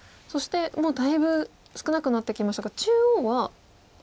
そしてもうだいぶ少なくなってきましたが中央は。